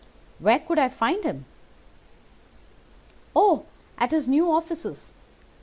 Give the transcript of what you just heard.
"'Where could I find him?' "'Oh, at his new offices.